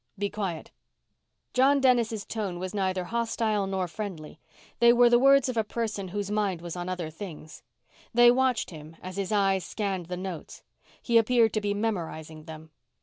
"Be quiet." John Dennis' tone was neither hostile nor friendly. They were the words of a person whose mind was on other things. They watched him as his eyes scanned the notes. He appeared to be memorizing them.